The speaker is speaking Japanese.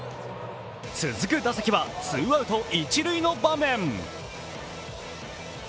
続く打席はツーアウト一塁の場面。